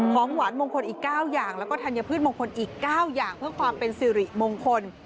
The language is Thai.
ของหวานมงคลอีก๙อย่างแล้วก็ธัญพืชมงคลอีก๙อย่างเพื่อความเป็นสิริมงคล